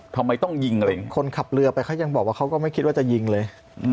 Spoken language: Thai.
ทำไมต้องยิงอะไรอย่างนี้คนขับเรือไปเขายังบอกว่าเขาก็ไม่คิดว่าจะยิงเลย